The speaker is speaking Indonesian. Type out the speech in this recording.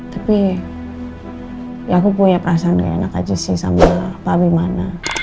tapi ya aku punya perasaan gak enak aja sih sama pak bimana